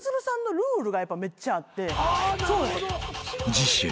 ［次週］